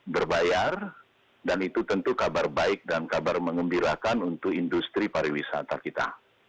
berbayar dan itu tentu kabar baik dan kabar mengembirakan untuk industri pariwisata kita